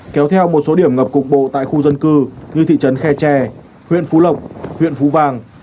kéo theo một số điểm ngập cục bộ tại khu dân cư như thị trấn khe tre huyện phú lộc huyện phú vàng